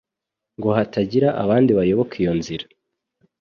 ngo hatagira abandi bayoboka iyo nzira.